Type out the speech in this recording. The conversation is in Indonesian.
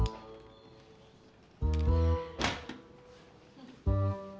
mampus tidur di luar ma